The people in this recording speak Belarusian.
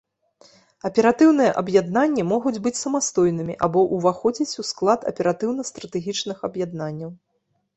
Аператыўныя аб'яднанні могуць быць самастойнымі або ўваходзіць у склад аператыўна-стратэгічных аб'яднанняў.